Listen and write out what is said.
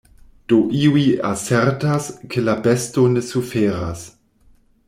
Do iuj asertas, ke la besto ne suferas.